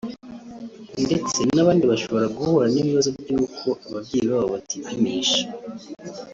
ndetse n’abandi bashobora guhura n’ibibazo by’uko ababyeyi babo batipimisha